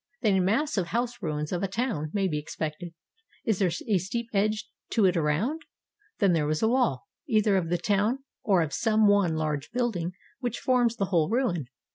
Then a mass of house ruins of a town may be expected. Is there a steep edge to it around? Then there was a wall, either of the town or of some one large building which forms the whole ruin.